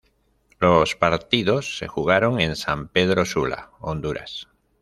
Los partidos se jugaron en San Pedro Sula, Honduras.